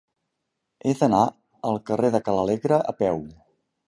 He d'anar al carrer de Ca l'Alegre a peu.